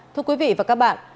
thưa quý vị và các bạn